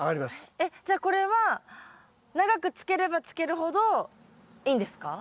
えっじゃあこれは長くつければつけるほどいいんですか？